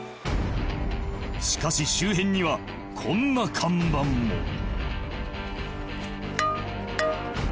［しかし周辺にはこんな看板も］